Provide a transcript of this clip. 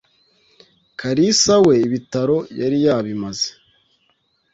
kalisa we ibitaro yariyabimaze